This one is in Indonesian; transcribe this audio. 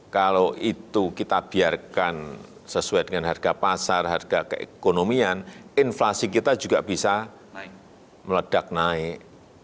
kalau itu kita biarkan sesuai dengan harga pasar harga keekonomian inflasi kita juga bisa meledak naik